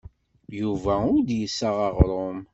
Yuba ur d-yessaɣ aɣrum.